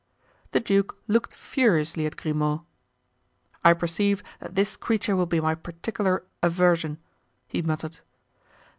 The duke looked furiously at Grimaud. "I perceive that this creature will be my particular aversion," he muttered.